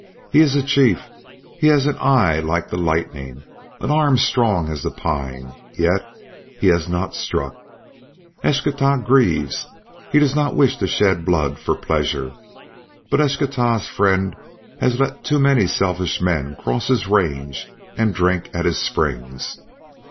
He is a chief; he has an eye like the lightning, an arm strong as the pine, yet he has not struck. Eschtah grieves. He does not wish to shed blood for pleasure. But Eschtah's friend has let too many selfish men cross his range and drink at his springs.